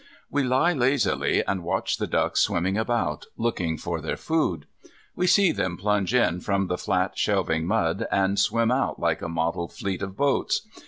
We lie lazily and watch the ducks swimming about, looking for their food. We see them plunge in from the flat shelving mud, and swim out like a mottled fleet of boats.